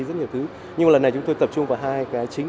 rất nhiều thứ nhưng mà lần này chúng tôi tập trung vào hai cái chính